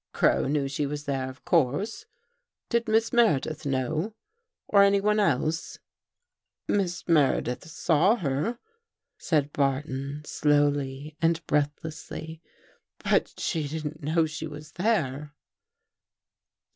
Crow knew she was there, of course. Did Miss Meredith know? Or anyone else? "" Miss Meredith saw her," said Barton, slowly and breathlessly. " But she didn't know she was there."